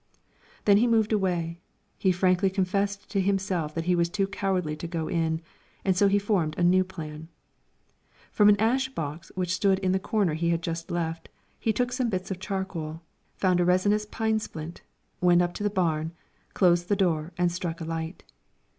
Then he moved away; he frankly confessed to himself that he was too cowardly to go in, and so he now formed a new plan. From an ash box which stood in the corner he had just left, he took some bits of charcoal, found a resinous pine splint, went up to the barn, closed the door and struck a light.